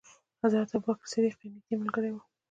حضرت ابو بکر صدیق یې نېږدې ملګری و.